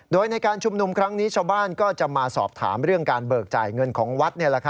โดยในการชุมนุมครั้งนี้ชาวบ้านก็จะมาสอบถามเรื่องการเบิกจ่ายเงินของวัด